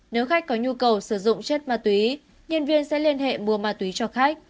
nếu khách có nhu cầu sử dụng chất ma túy nhân viên sẽ liên hệ mua ma túy cho khách